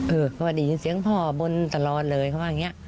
เพราะว่าได้ยินเสียงพ่อบนตลอดเลยเขาว่าอย่างนี้